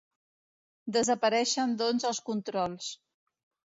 Desapareixen, doncs, els controls.